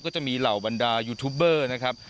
ก็จะมีเหล่าบรรดายูทูบเบอร์นะครับ